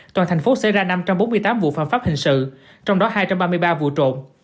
toàn thành phố xảy ra năm trăm bốn mươi tám vụ phạm pháp hình sự trong đó hai trăm ba mươi ba vụ trộm